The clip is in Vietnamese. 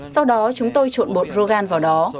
sau đó chúng tôi trộn bột rogan vào đó